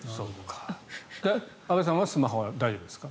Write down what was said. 安部さんはスマホは大丈夫ですか？